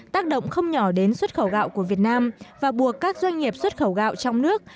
tác động không nhỏ đến xuất khẩu gạo của việt nam và buộc các doanh nghiệp xuất khẩu gạo trong nước